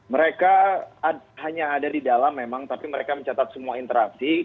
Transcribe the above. mereka hanya ada di dalam memang tapi mereka mencatat semua interaksi